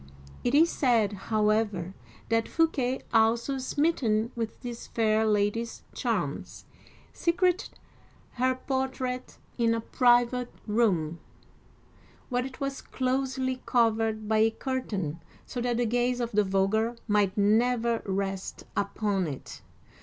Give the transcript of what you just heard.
It is said, however, that Fouquet, also smitten with this fair lady's charms, secreted her portrait in a private room, where it was closely covered by a curtain, so that the gaze of the vulgar might never rest upon it.